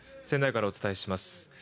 仙台からお伝えします。